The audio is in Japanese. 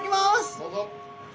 どうぞ。